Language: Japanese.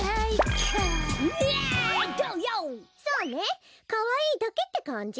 かわいいだけってかんじ？